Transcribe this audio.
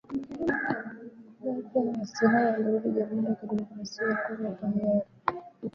Baadhi ya waasi hao walirudi Jamhuri ya kidemokrasia ya Kongo kwa hiari.